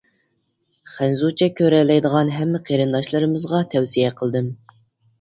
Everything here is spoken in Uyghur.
خەنزۇچە كۆرەلەيدىغان ھەممە قېرىنداشلىرىمىزغا تەۋسىيە قىلدىم!